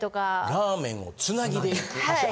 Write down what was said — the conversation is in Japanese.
ラーメンをつなぎで行く？